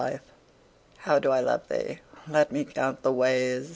XLIII How do I love thee? Let me count the ways.